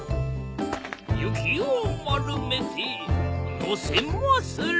雪を丸めて乗せまする。